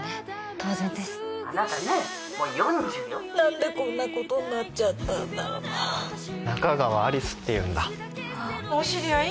当然です☎あなたねもう４０よ何でこんなことになっちゃったんだろ仲川有栖っていうんだあっ・お知り合い？